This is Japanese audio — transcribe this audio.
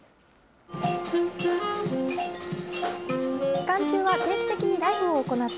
期間中は定期的にライブを行って、